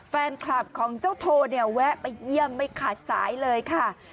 แฟนคลับของเจ้าโทเนี่ยแวะไปเยี่ยมไม่ขาดสายเลยค่ะ